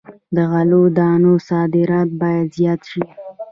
د غلو دانو صادرات باید زیات شي.